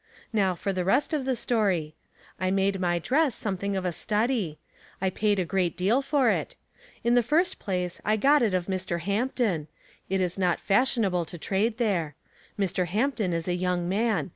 Now for the rest of 286 Household Puzzles, the story. I made my dress son)ething of a study. I paid a great deal for it. In the first place, I got it of Mr. H^impton. It is not fashionable to trade there. Mr. Hampton is a young man.